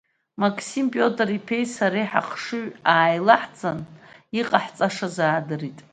Мақсим Пиотр-иԥеи сареи ҳахшыҩ ааилаҳҵан иҟаҳҵашаз аадырит.